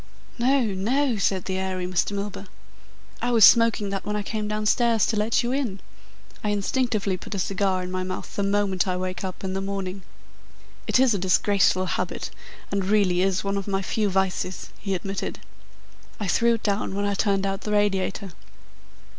"No, no," said the airy Mr. Milburgh. "I was smoking that when I came downstairs to let you in. I instinctively put a cigar in my mouth the moment I wake up in the morning. It is a disgraceful habit, and really is one of my few vices," he admitted. "I threw it down when I turned out the radiator."